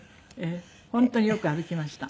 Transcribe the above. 本当によく歩きました。